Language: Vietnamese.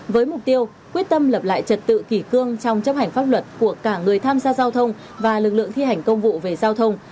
với mục tiêu quyết tâm lập lại trật tự kỷ cương trong chấp hành pháp luật của cả người tham gia giao thông và lực lượng thi hành công vụ về giao thông